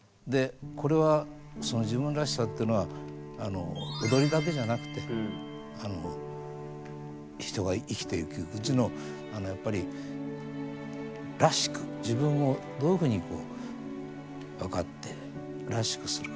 これは自分らしさってのは踊りだけじゃなくて人が生きていくうちのやっぱり「らしく」自分をどういうふうに分かって「らしく」する。